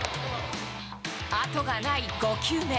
あとがない５球目。